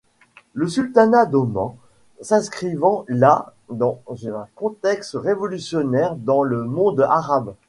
Le sultanat d'Oman s’inscrivant là dans un contexte révolutionnaire dans le monde arabe.